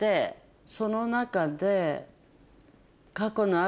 その中で。